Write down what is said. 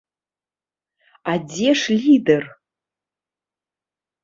А дзе ж лідэр?